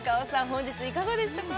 本日いかがでしたか？